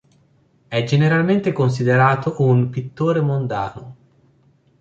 È generalmente considerato un "pittore mondano".